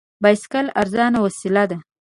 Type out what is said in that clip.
بایسکل ارزانه وسیله ده.